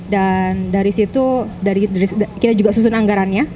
dan dari situ kita juga susun anggarannya